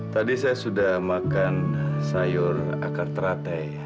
tadi saya sudah makan sayur akar teratai